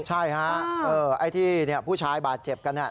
ใช่ฮะไอ้ที่ผู้ชายบาดเจ็บกัน